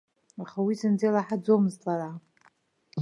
Аха уи зынӡа илаҳаӡомызт лара.